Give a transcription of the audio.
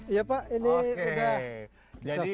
iya pak ini sudah